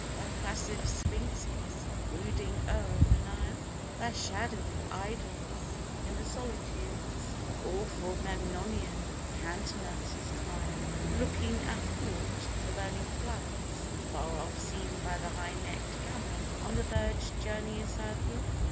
Thy placid Sphinxes brooding o'er the Nile? Thy shadowy Idols in the solitudes, Awful Memnonian countenances calm Looking athwart the burning flats, far off Seen by the high necked camel on the verge Journeying southward?